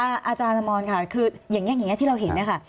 อาจารย์นามอนค่ะคืออย่างนี้ที่เราเห็นนะคะ